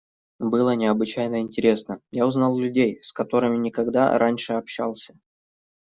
Было необычайно интересно: я узнал людей, с которыми никогда раньше общался.